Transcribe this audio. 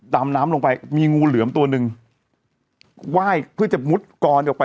ดำน้ำลงไปมีงูเหลือมตัวหนึ่งไหว้เพื่อจะมุดกรออกไป